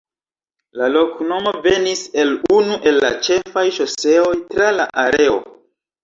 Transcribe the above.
La loknomo venis el unu el la ĉefaj ŝoseoj tra la areo.